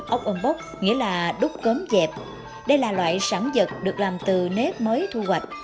óc âm bóc nghĩa là đúc cấm dẹp đây là loại sản dật được làm từ nếp mới thu hoạch